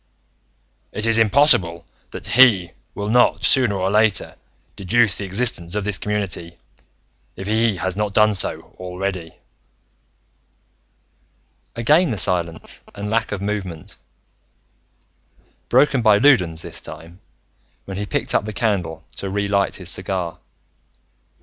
"It is impossible that He will not, sooner or later, deduce the existence of this community, if He has not done so already." Again the silence and lack of movement, broken by Loudons this time, when he picked up the candle to re lit his cigar.